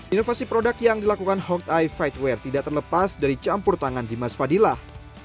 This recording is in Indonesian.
inovasi produk yang dilakukan hawkeye fightwear tidak terlepas dari campur tangan dimas fadilah